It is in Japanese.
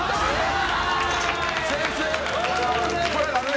先生！